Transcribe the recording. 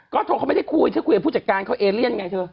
ก็โทรเขาไม่ได้คุยเธอคุยกับผู้จัดการเขาเอเลียนไงเธอ